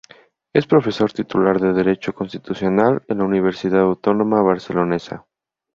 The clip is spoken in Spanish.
Es profesor titular de Derecho constitucional en la Universidad Autónoma barcelonesa.